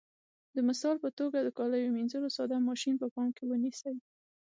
د مثال په توګه د کالیو منځلو ساده ماشین په پام کې ونیسئ.